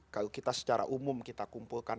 kalau kita secara umum kita kumpulkan